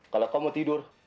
kalau kamu tidur